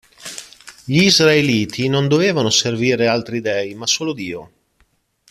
Gli Israeliti non dovevano servire altri dèi, ma solo Dio.